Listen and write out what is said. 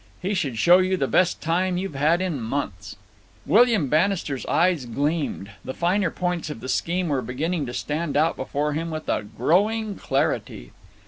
He should show you the best time you've had in months." William Bannister's eyes gleamed. The finer points of the scheme were beginning to stand out before him with a growing clarity.